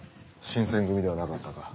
新撰組ではなかったか？